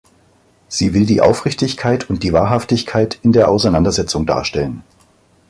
Sie will die Aufrichtigkeit und die Wahrhaftigkeit in der Auseinandersetzung darstellen.